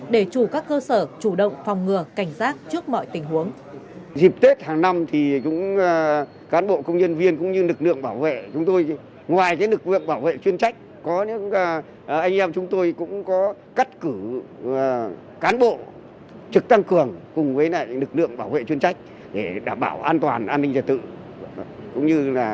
để chủ các cơ sở chủ động phòng ngừa cảnh giác trước mọi tình huống